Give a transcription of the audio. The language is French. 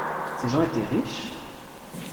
Ces gens étaient riches ?